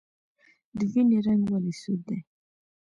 د وینې رنګ ولې سور دی